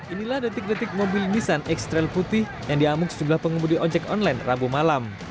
inilah detik detik mobil nissan x trail putih yang diamuk sejumlah pengemudi ojek online rabu malam